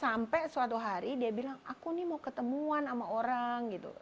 sampai suatu hari dia bilang aku nih mau ketemuan sama orang gitu